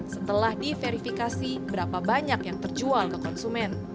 setelah diverifikasi berapa banyak yang terjual ke konsumen